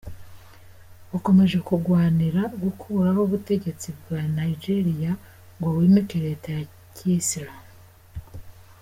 Wakomeje kugwanira gukuraho ubutegetsi bwa Nigeria ngo wimike Leta ya ki Islamu.